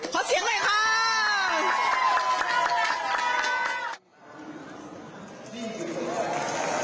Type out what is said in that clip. ขอเชียงด้วยค่ะ